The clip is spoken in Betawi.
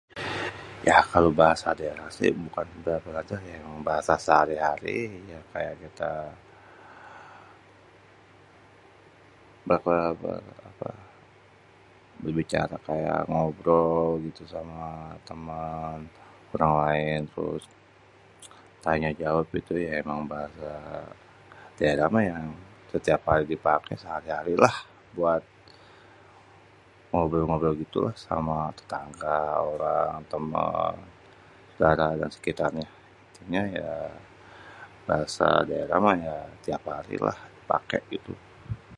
Yah kalo bahasa daerah sih ibarat kata emang bahasa sehari-hari ya kayak kita berbicara kayak ngobrol gitu sama temen, orang laen, terus tanya jawab gitu yé. Emang bahasa daerah mah yang setiap hari dipaké sehari-hari lah buat ngobrol-ngobrol gitu lah sama tetangga, orang, temen, suadara dan sekitarnya. Intinya ya bahasa daerah mah ya tiap hari lah dipaké gitu.